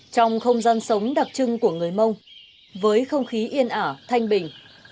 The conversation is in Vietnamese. trong không gian sống đặc trưng của người mông với không khí yên ả thanh bình